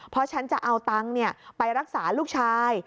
เพราะฉันจะเอาตังค์ไปรักษาลูกชาย